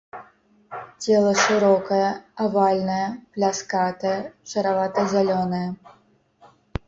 Цела шырокае, авальнае, пляскатае, шаравата-зялёнае.